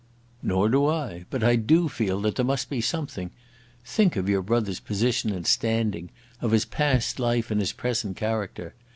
"Nor do I; but I do feel that there must be something. Think of your brother's position and standing, of his past life and his present character!